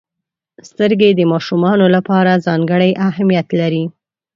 • سترګې د ماشومانو لپاره ځانګړې اهمیت لري.